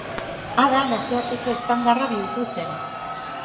Ada nazioarteko estandarra bihurtu zen.